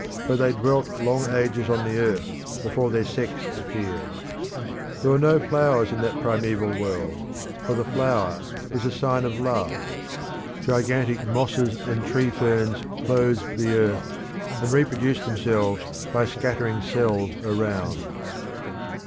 But they dwelt long ages on the earth before their sex appeared. There were no flowers in that primeval world, for the flower is a sign of love. Gigantic mosses and tree ferns clothed the earth, and reproduced themselves by scattering cells around.